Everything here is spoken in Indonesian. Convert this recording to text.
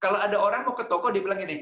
kalau ada orang mau ke toko dia bilang gini